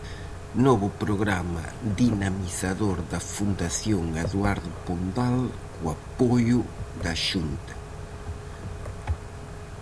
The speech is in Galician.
Novo programa dinamizador da Fundación Eduardo Pondal co apoio da Xunta.